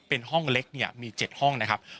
เป็นห้องเล็กเนี่ยมี๗ห้องนะครับ